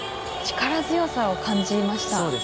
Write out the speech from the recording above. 力強さを感じました。